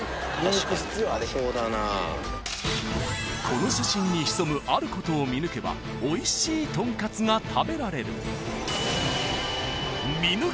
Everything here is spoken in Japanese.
［この写真に潜むあることを見抜けばおいしいとんかつが食べられる］